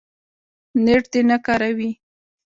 نېټ دې نه کاروي